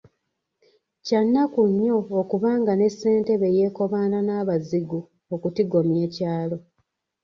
Kya nnaku nnyo okuba nga ne ssentebe yeekobaana n’abazigu okutigomya ekyalo.